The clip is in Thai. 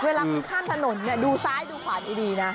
เวลาคุณข้ามถนนดูซ้ายดูขวานดีนะ